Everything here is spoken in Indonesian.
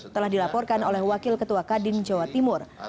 telah dilaporkan oleh wakil ketua kadin jawa timur